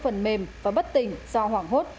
phần mềm và bất tình do hoảng hốt